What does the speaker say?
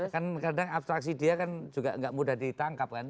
kan kadang abstraksi dia kan juga nggak mudah ditangkap kan